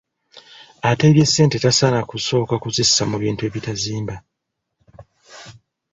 Ateebye ssente tasaana kusooka kuzissa mu bintu ebitazimba.